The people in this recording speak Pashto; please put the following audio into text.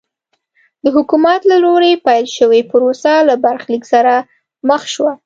د حکومت له لوري پیل شوې پروسه له برخلیک سره مخ شوه.